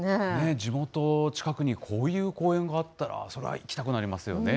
地元近くにこういう公園があったら、それは行きたくなりますよね。